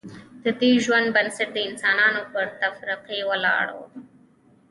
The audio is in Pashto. ددې ژوند بنسټ د انسانانو پر تفرقې ولاړ و